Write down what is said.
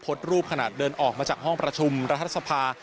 รูปขนาดเดินออกมาจากห้องประชุมรัฐสภา